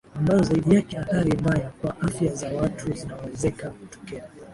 ambayo zaidi yake athari mbaya kwa afya za watu zinawezeka kutokea